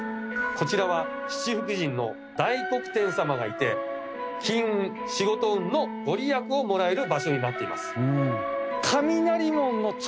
こちらは七福神の大黒天様がいて金運仕事運のご利益をもらえる場所になっています。